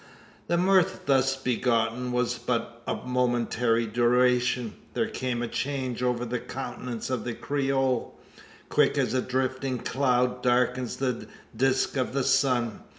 The mirth thus begotten was but of momentary duration. There came a change over the countenance of the Creole, quick as a drifting cloud darkens the disc of the sun.